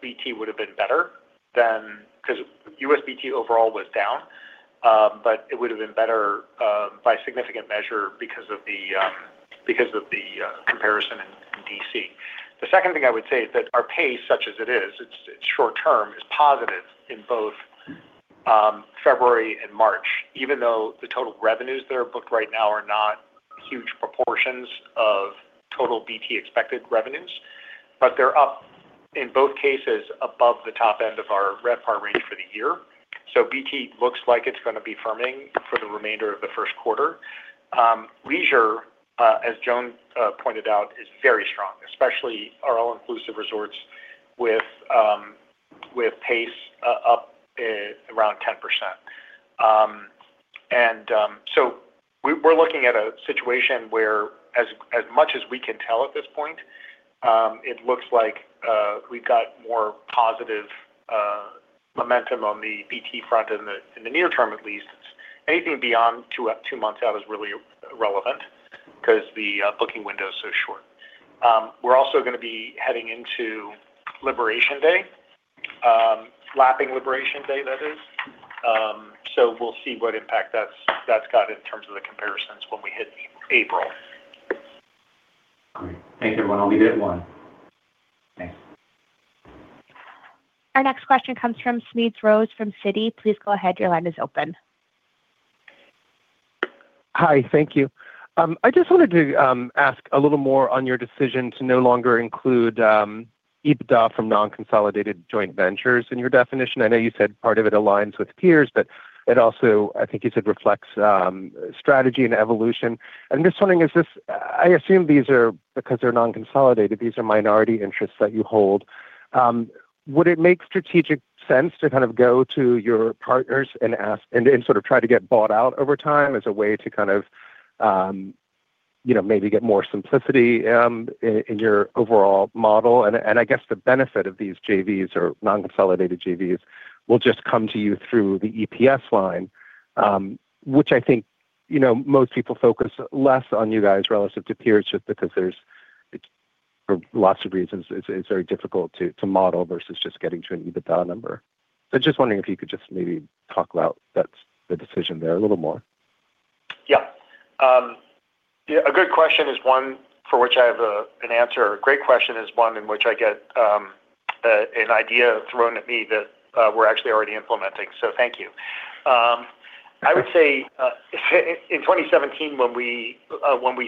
BT would have been better than... Because U.S. BT overall was down, but it would have been better by significant measure because of the comparison in D.C. The second thing I would say is that our pace, such as it is, it's short term, is positive in both February and March, even though the total revenues that are booked right now are not huge proportions of total BT expected revenues, but they're up, in both cases, above the top end of our RevPAR range for the year. So BT looks like it's going to be firming for the remainder of the first quarter. Leisure, as Joan pointed out, is very strong, especially our all-inclusive resorts with pace up around 10%. And so we're looking at a situation where as much as we can tell at this point, it looks like we've got more positive momentum on the BT front in the near term, at least. Anything beyond two months out is really irrelevant because the booking window is so short. We're also going to be heading into Liberation Day, lapping Liberation Day, that is. So we'll see what impact that's got in terms of the comparisons when we hit April. Great. Thank you, everyone. I'll leave it at one. Thanks. Our next question comes from Smedes Rose from Citi. Please go ahead. Your line is open. Hi, thank you. I just wanted to ask a little more on your decision to no longer include EBITDA from non-consolidated joint ventures in your definition. I know you said part of it aligns with peers, but it also, I think you said, reflects strategy and evolution. I'm just wondering. I assume these are because they're non-consolidated, these are minority interests that you hold. Would it make strategic sense to kind of go to your partners and ask, and then sort of try to get bought out over time as a way to kind of, you know, maybe get more simplicity in your overall model? I guess the benefit of these JVs or non-consolidated JVs will just come to you through the EPS line, which I think, you know, most people focus less on you guys relative to peers, just because there's, for lots of reasons, it's very difficult to model versus just getting to an EBITDA number. So just wondering if you could just maybe talk about that, the decision there a little more. Yeah. Yeah, a good question is one for which I have an answer. A great question is one in which I get an idea thrown at me that we're actually already implementing. So thank you. I would say in 2017, when we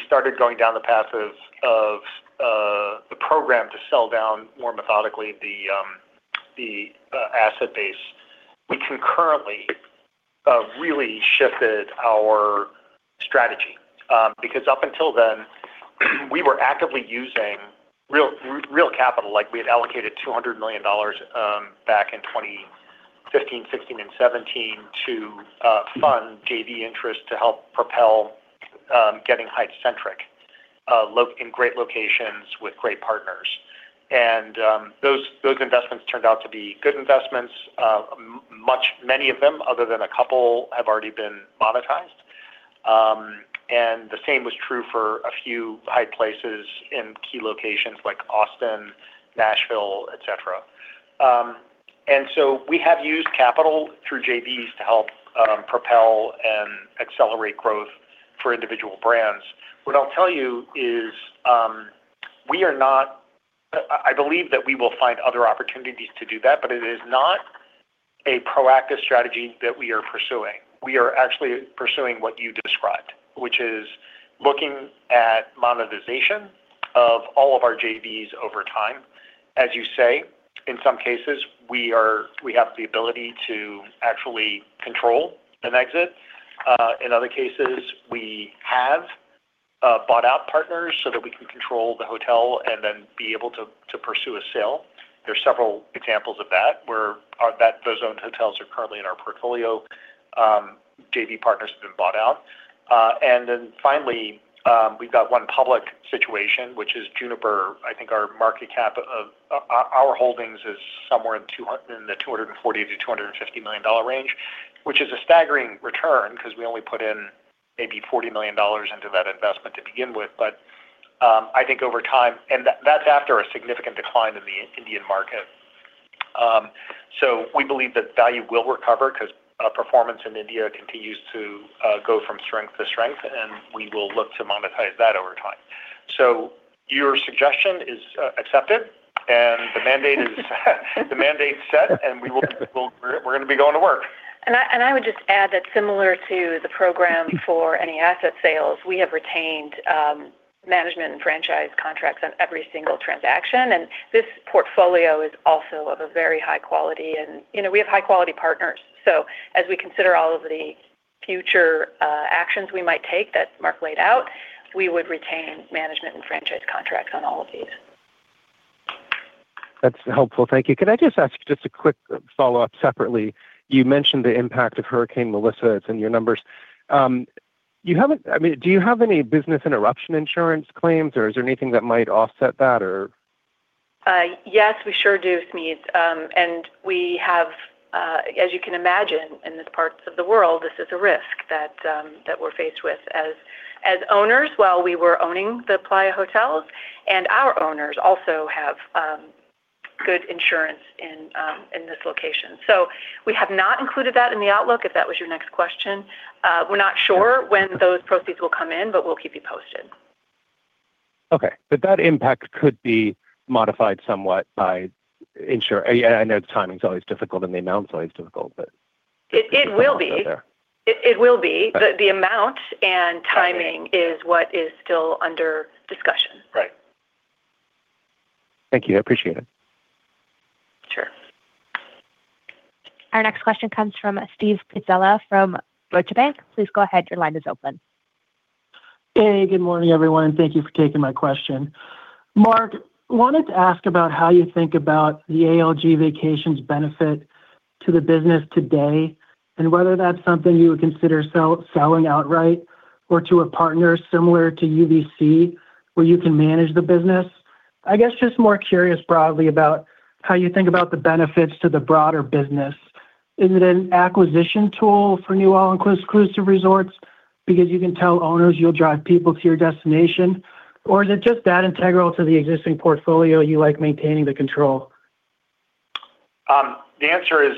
started going down the path of the program to sell down more methodically the asset base, we concurrently really shifted our strategy. Because up until then, we were actively using real capital, like we had allocated $200 million back in 2015, 2016 and 2017 to fund JV interest to help propel getting Hyatt Centric in great locations with great partners. And those investments turned out to be good investments. Many of them, other than a couple, have already been monetized. And the same was true for a few Hyatt Places in key locations like Austin, Nashville, et cetera. And so we have used capital through JVs to help propel and accelerate growth for individual brands. What I'll tell you is, we are not. I believe that we will find other opportunities to do that, but it is not a proactive strategy that we are pursuing. We are actually pursuing what you described, which is looking at monetization of all of our JVs over time. As you say, in some cases, we have the ability to actually control an exit. In other cases, we have bought out partners so that we can control the hotel and then be able to pursue a sale. There are several examples of that, where our owned hotels are currently in our portfolio, JV partners have been bought out. And then finally, we've got one public situation, which is Juniper. I think our market cap of our, our holdings is somewhere in $240 million-$250 million range, which is a staggering return because we only put in maybe $40 million into that investment to begin with. But, I think over time, and that's after a significant decline in the Indian market. So we believe that value will recover because, performance in India continues to go from strength to strength, and we will look to monetize that over time. So your suggestion is accepted, and the mandate is set, and we will, we're going to be going to work. I would just add that similar to the program for any asset sales, we have retained management and franchise contracts on every single transaction, and this portfolio is also of a very high quality, and, you know, we have high quality partners. So as we consider all of the future actions we might take that Mark laid out, we would retain management and franchise contracts on all of these. That's helpful. Thank you. Could I just ask just a quick follow-up separately? You mentioned the impact of Hurricane Melissa. It's in your numbers. I mean, do you have any business interruption insurance claims, or is there anything that might offset that, or? Yes, we sure do, Smedes. And we have, as you can imagine, in the parts of the world, this is a risk that we're faced with as owners while we were owning the Playa Hotels, and our owners also have good insurance in this location. So we have not included that in the outlook, if that was your next question. We're not sure when those proceeds will come in, but we'll keep you posted. Okay. But that impact could be modified somewhat by ensure-- Yeah, I know the timing is always difficult and the amount is always difficult, but- It will be. It will be. Okay. The amount and timing is what is still under discussion. Right. Thank you. I appreciate it. Sure. Our next question comes from Steve Pizzella from Deutsche Bank. Please go ahead. Your line is open. Hey, good morning, everyone. Thank you for taking my question. Mark, wanted to ask about how you think about the ALG Vacations benefit to the business today, and whether that's something you would consider selling outright or to a partner similar to UVC, where you can manage the business. I guess, just more curious broadly about how you think about the benefits to the broader business. Is it an acquisition tool for new all-inclusive resorts because you can tell owners you'll drive people to your destination? Or is it just that integral to the existing portfolio, you like maintaining the control? The answer is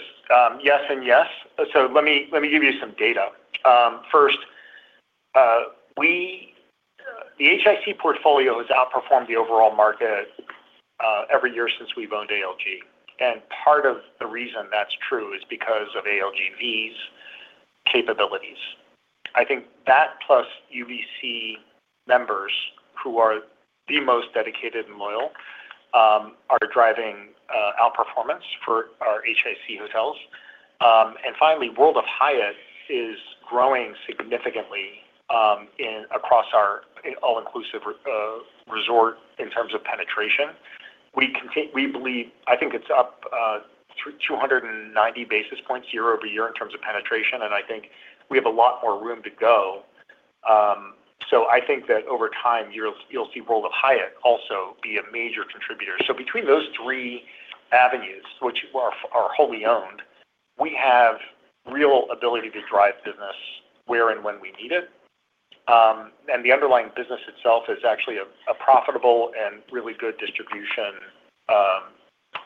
yes and yes. So let me give you some data. First, the HIC portfolio has outperformed the overall market every year since we've owned ALG. And part of the reason that's true is because of ALGV's capabilities. I think that plus UVC members who are the most dedicated and loyal are driving outperformance for our HIC hotels. And finally, World of Hyatt is growing significantly across our all-inclusive resorts in terms of penetration. I think it's up 290 basis points year-over-year in terms of penetration, and I think we have a lot more room to go. So I think that over time, you'll see World of Hyatt also be a major contributor. So between those three avenues, which are wholly owned, we have real ability to drive business where and when we need it. And the underlying business itself is actually a profitable and really good distribution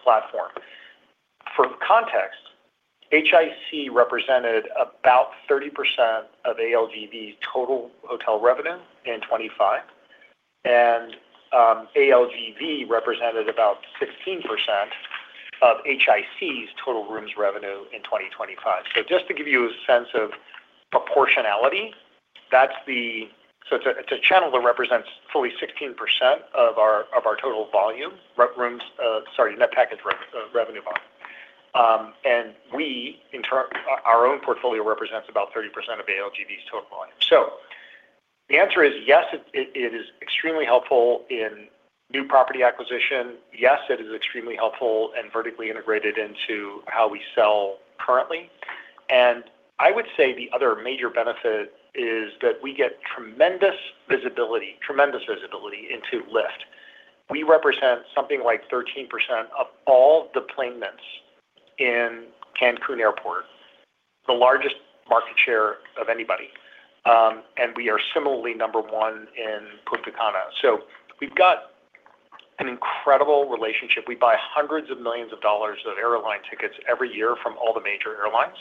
platform. For context, HIC represented about 30% of ALGV's total hotel revenue in 2025, and ALGV represented about 16% of HIC's total rooms revenue in 2025. So just to give you a sense of proportionality, that's the— So it's a channel that represents fully 16% of our total volume, rooms, sorry, net package revenue volume. And we, in turn, our own portfolio represents about 30% of ALGV's total volume. So the answer is yes, it is extremely helpful in new property acquisition. Yes, it is extremely helpful and vertically integrated into how we sell currently. And I would say the other major benefit is that we get tremendous visibility, tremendous visibility into airlift. We represent something like 13% of all the plane movements in Cancun Airport, the largest market share of anybody. And we are similarly number one in Punta Cana. So we've got an incredible relationship. We buy hundreds of millions of dollars of airline tickets every year from all the major airlines.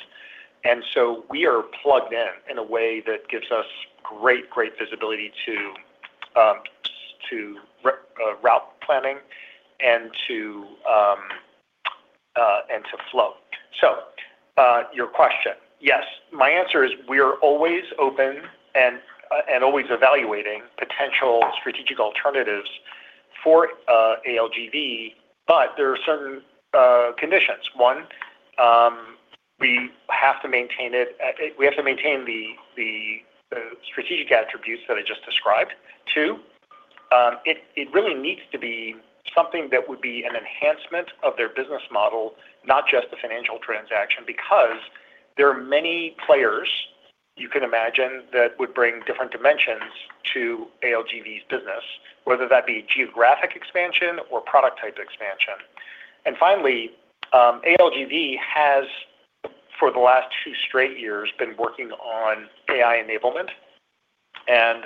And so we are plugged in in a way that gives us great, great visibility to route planning and to flow. So, your question: Yes, my answer is we are always open and always evaluating potential strategic alternatives for ALG Vacations, but there are certain conditions. One, we have to maintain it, we have to maintain the strategic attributes that I just described. Two, it really needs to be something that would be an enhancement of their business model, not just a financial transaction, because there are many players you can imagine that would bring different dimensions to ALG Vacations's business, whether that be geographic expansion or product type expansion. And finally, ALG Vacations has for the last two straight years been working on AI enablement, and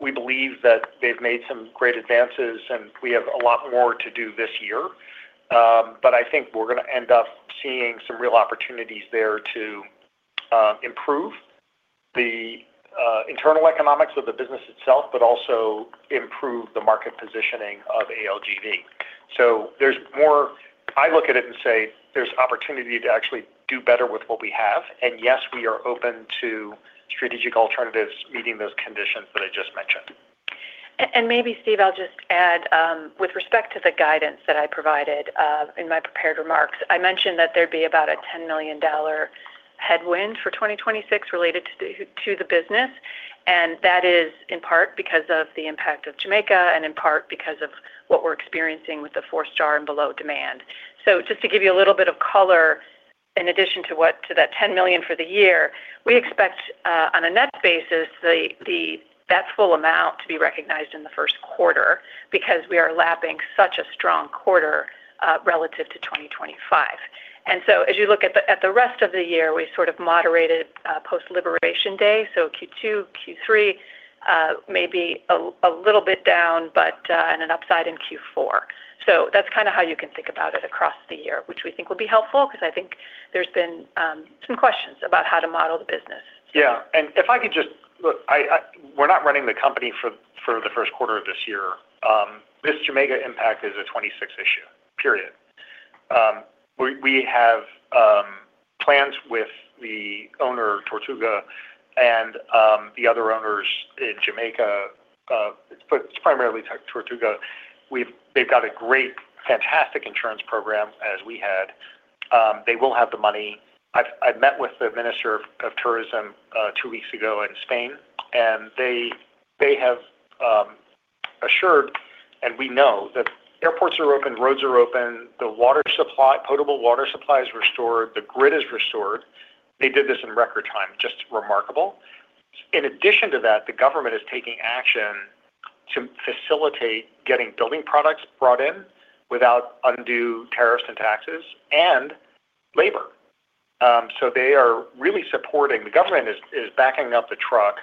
we believe that they've made some great advances, and we have a lot more to do this year. But I think we're gonna end up seeing some real opportunities there to improve the internal economics of the business itself, but also improve the market positioning of ALG Vacations. So there's more. I look at it and say there's opportunity to actually do better with what we have, and yes, we are open to strategic alternatives, meeting those conditions that I just mentioned. And maybe, Steve, I'll just add, with respect to the guidance that I provided in my prepared remarks, I mentioned that there'd be about a $10 million headwind for 2026 related to the business, and that is in part because of the impact of Jamaica and in part because of what we're experiencing with the four-star and below demand. So just to give you a little bit of color, in addition to what to that $10 million for the year, we expect, on a net basis, that full amount to be recognized in the first quarter because we are lapping such a strong quarter relative to 2025. And so as you look at the rest of the year, we sort of moderated post-Liberation Day, so Q2, Q3, maybe a little bit down, but and an upside in Q4. So that's kind of how you can think about it across the year, which we think will be helpful because I think there's been some questions about how to model the business. Yeah, and if I could just... Look, we're not running the company for the first quarter of this year. This Jamaica impact is a 2026 issue, period. We have plans with the owner, Tortuga, and the other owners in Jamaica, but it's primarily Tortuga. They've got a great, fantastic insurance program, as we had. They will have the money. I've met with the Minister of Tourism two weeks ago in Spain, and they have assured, and we know that airports are open, roads are open, the water supply, potable water supply is restored, the grid is restored. They did this in record time, just remarkable. In addition to that, the government is taking action to facilitate getting building products brought in without undue tariffs and taxes and labor. So they are really supporting... The government is backing up the truck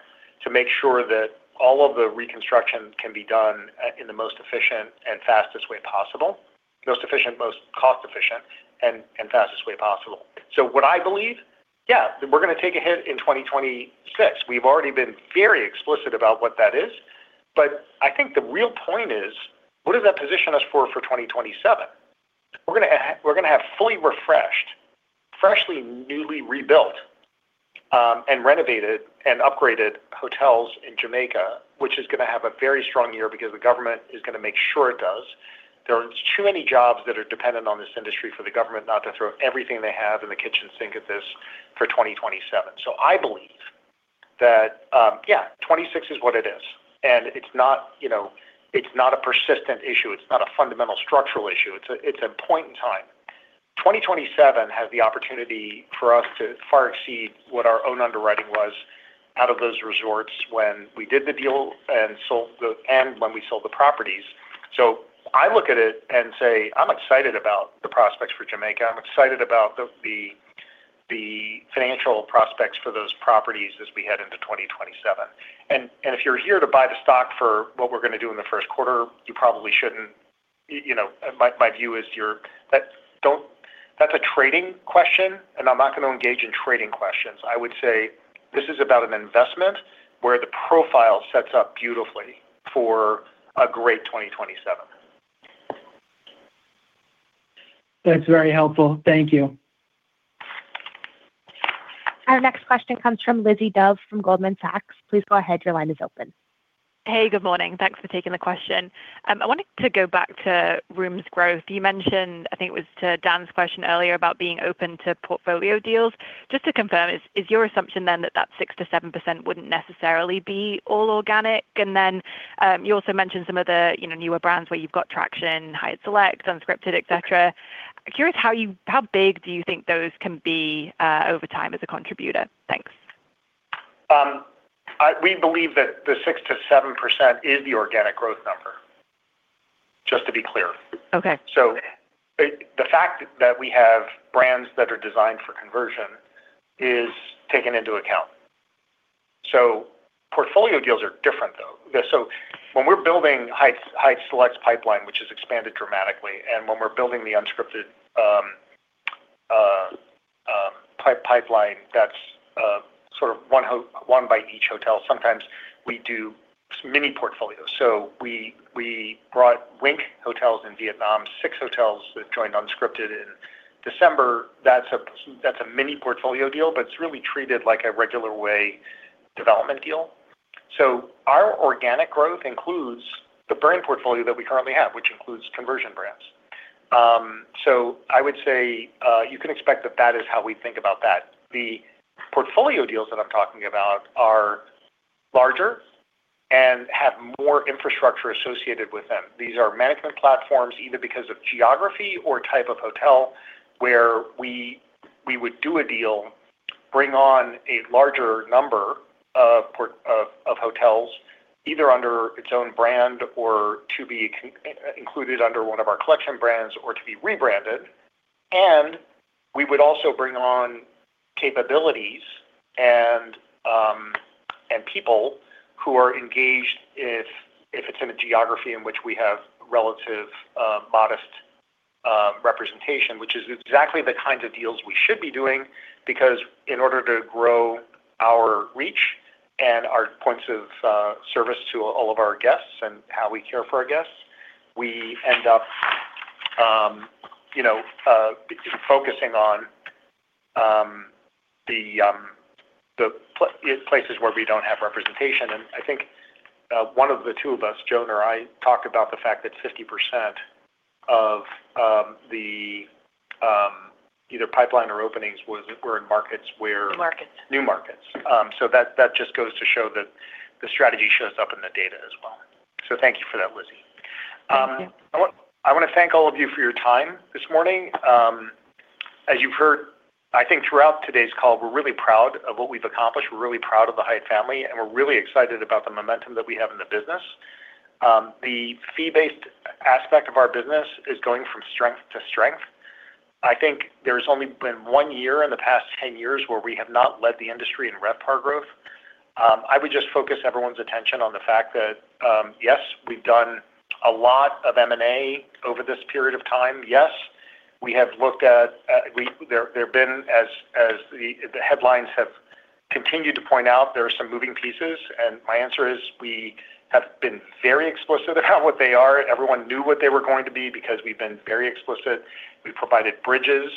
to make sure that all of the reconstruction can be done in the most efficient and fastest way possible. Most efficient, most cost-efficient, and fastest way possible. So what I believe, yeah, we're gonna take a hit in 2026. We've already been very explicit about what that is, but I think the real point is, what does that position us for, for 2027? We're gonna have fully refreshed, freshly, newly rebuilt, and renovated and upgraded hotels in Jamaica, which is gonna have a very strong year because the government is gonna make sure it does. There are too many jobs that are dependent on this industry for the government not to throw everything they have in the kitchen sink at this for 2027. So I believe that, yeah, 26 is what it is, and it's not, you know, it's not a persistent issue, it's not a fundamental structural issue, it's a point in time. 2027 has the opportunity for us to far exceed what our own underwriting was out of those resorts when we did the deal and sold the - and when we sold the properties. So I look at it and say, I'm excited about the prospects for Jamaica. I'm excited about the financial prospects for those properties as we head into 2027. And if you're here to buy the stock for what we're gonna do in the first quarter, you probably shouldn't. You know, my view is your - that don't - that's a trading question, and I'm not gonna engage in trading questions. I would say this is about an investment where the profile sets up beautifully for a great 2027. That's very helpful. Thank you. Our next question comes from Lizzie Dove, from Goldman Sachs. Please go ahead, your line is open. Hey, good morning. Thanks for taking the question. I wanted to go back to rooms growth. You mentioned, I think it was to Dan's question earlier, about being open to portfolio deals. Just to confirm, is, is your assumption then that, that 6%-7% wouldn't necessarily be all organic? And then, you also mentioned some of the, you know, newer brands where you've got traction, Hyatt Select, Unscripted, et cetera. Curious how you how big do you think those can be over time as a contributor? Thanks. We believe that the 6%-7% is the organic growth number, just to be clear. Okay. The fact that we have brands that are designed for conversion is taken into account. Portfolio deals are different, though. When we're building Hyatt Select's pipeline, which has expanded dramatically, and when we're building the Unscripted pipeline, that's sort of one by one, each hotel. Sometimes we do mini portfolios. We brought Wink Hotels in Vietnam, six hotels that joined Unscripted in December. That's a mini portfolio deal, but it's really treated like a regular way development deal. Our organic growth includes the brand portfolio that we currently have, which includes conversion brands. I would say you can expect that that is how we think about that. The portfolio deals that I'm talking about are larger and have more infrastructure associated with them. These are management platforms, either because of geography or type of hotel, where we would do a deal, bring on a larger number of portfolio of hotels, either under its own brand or to be included under one of our collection brands or to be rebranded. And we would also bring on capabilities and people who are engaged if it's in a geography in which we have relatively modest representation, which is exactly the kinds of deals we should be doing. Because in order to grow our reach and our points of service to all of our guests and how we care for our guests, we end up, you know, focusing on the places where we don't have representation. I think one of the two of us, Joan or I, talked about the fact that 50% of either pipeline or openings was, were in markets where- New markets. New markets. So that, that just goes to show that the strategy shows up in the data as well. So thank you for that, Lizzie. I want to thank all of you for your time this morning. As you've heard, I think throughout today's call, we're really proud of what we've accomplished. We're really proud of the Hyatt family, and we're really excited about the momentum that we have in the business. The fee-based aspect of our business is going from strength to strength. I think there's only been one year in the past 10 years where we have not led the industry in RevPAR growth. I would just focus everyone's attention on the fact that, yes, we've done a lot of M&A over this period of time. Yes, we have looked at, there have been, as the headlines have continued to point out, there are some moving pieces, and my answer is we have been very explicit about what they are. Everyone knew what they were going to be because we've been very explicit. We provided bridges,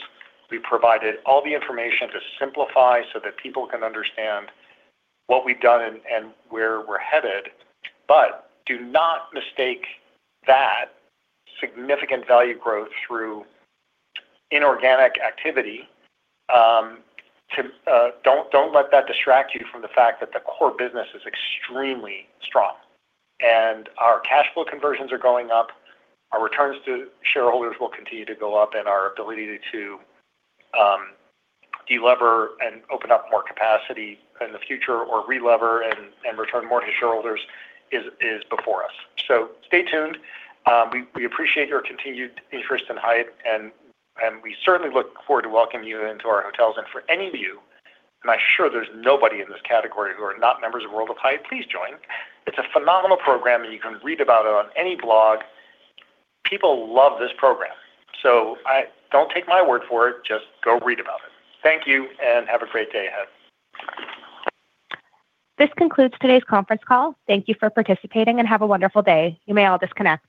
we provided all the information to simplify so that people can understand what we've done and, and where we're headed. But do not mistake that significant value growth through inorganic activity, don't, don't let that distract you from the fact that the core business is extremely strong. And our cash flow conversions are going up. Our returns to shareholders will continue to go up, and our ability to delever and open up more capacity in the future, or relever and, and return more to shareholders is, is before us. So stay tuned. We, we appreciate your continued interest in Hyatt, and, and we certainly look forward to welcoming you into our hotels. For any of you, and I'm sure there's nobody in this category who are not members of World of Hyatt, please join. It's a phenomenal program, and you can read about it on any blog. People love this program. So, don't take my word for it, just go read about it. Thank you, and have a great day ahead. This concludes today's conference call. Thank you for participating, and have a wonderful day. You may all disconnect now.